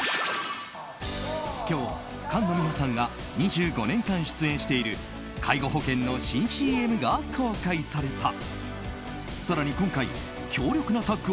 今日、菅野美穂さんが２５年間出演している介護保険の新ＣＭが公開された。